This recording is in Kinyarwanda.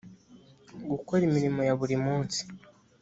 gukora imirimo ya buri munsi